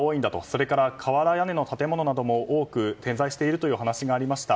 それから、瓦屋根の建物なども多く点在しているという話がありました。